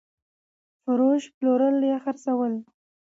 فروش √ پلورل خرڅول